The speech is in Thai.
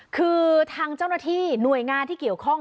คือทางเจ้าหน้าที่หน่วยงานที่เกี่ยวข้อง